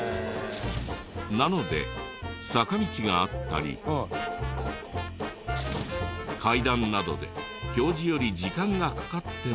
なので坂道があったり階段などで表示より時間がかかっても。